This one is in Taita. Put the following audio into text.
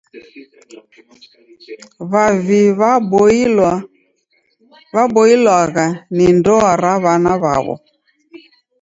W'avi waboilwagha ni ndoa ra w'ana w'aw'o.